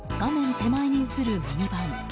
手前に映るミニバン。